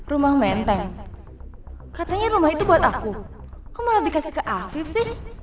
rumah menteng katanya rumah itu buat aku kok malah dikasih ke afif sih